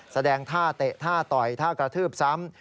แสดงท่าเตะท่าต่อยท่ากระทืบซ้ำ